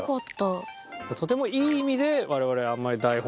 とてもいい意味で我々はあまり台本を。